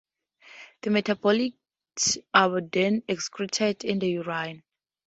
The metabolites are then excreted in the urine.